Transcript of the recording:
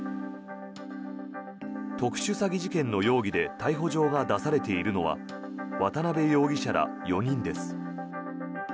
特殊詐欺事件の容疑で逮捕状が出されているのは渡邉容疑者ら４人です。